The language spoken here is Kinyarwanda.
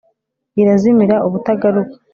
irazimira ubutagaruka